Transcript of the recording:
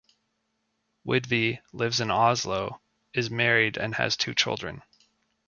Widvey lives in Oslo, is married and has two children.